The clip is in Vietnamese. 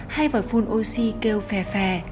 hai vỏ phun oxy kêu phè phè